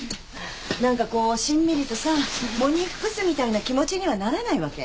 何かこうしんみりとさ喪に服すみたいな気持ちにはならないわけ？